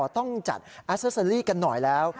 ต้องจัดแอสเตอร์เซอรี่กันหน่อยแล้ว